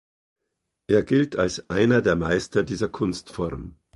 Er gilt als einer der Meister dieser Kunstform.